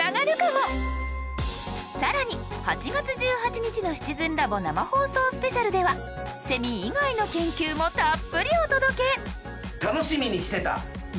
更に８月１８日の「シチズンラボ生放送スペシャル」ではセミ以外の研究もたっぷりお届け！